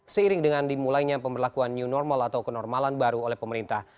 seiring dengan dimulainya pemberlakuan new normal atau kenormalan baru oleh pemerintah